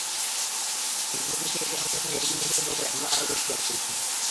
সম্প্রতি শেখ জামালের সঙ্গে প্রীতি ম্যাচে ড্র করে আমরা আরও বেশি আত্মবিশ্বাসী।